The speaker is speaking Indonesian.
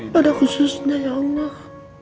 pada khususnya ya allah